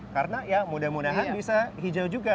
karena ya mudah mudahan bisa hijau juga